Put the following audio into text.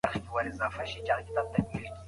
نفت یوه ورځ ختمېږي.